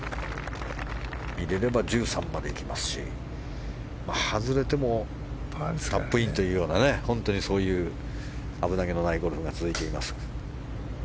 入れれば１３いきますし外れてもタップインというような危なげのないゴルフが続いています。